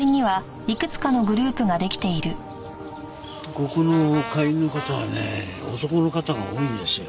ここの会員の方はね男の方が多いんですよ。